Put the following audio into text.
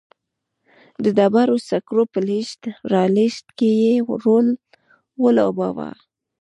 د ډبرو سکرو په لېږد رالېږد کې یې رول ولوباوه.